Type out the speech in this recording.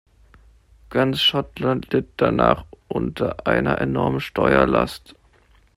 Ganz Schottland litt danach unter einer enormen Steuerlast.